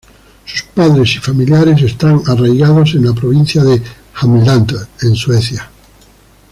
Sus padres y familiares están arraigados en la provincia de Jämtland en Suecia.